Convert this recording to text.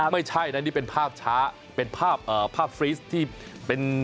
ไม่ใช่นะนี่เป็นภาพช้าเป็นภาพภาพฟรีสที่เป็น